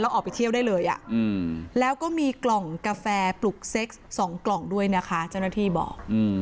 ออกไปเที่ยวได้เลยแล้วก็มีกล่องกาแฟปลุกเซ็กซ์๒กล่องด้วยนะคะเจ้าหน้าที่บอก